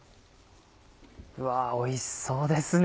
うわおいしそうですね